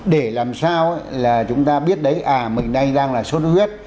để làm sao là chúng ta biết đấy à mình đang là sốt huyết